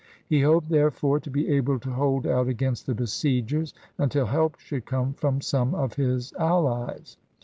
He hoped, therefore, to be able to hold out against the besiegers until help should come from some of his allies.